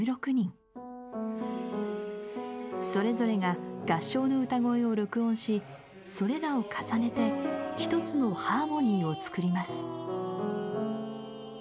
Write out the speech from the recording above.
それぞれが合唱の歌声を録音しそれらを重ねて一つのハーモニーを作ります。